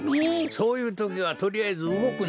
そういうときはとりあえずうごくんじゃ。